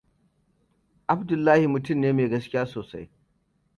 Abdullahi mutum ne mai gaskiya sosai.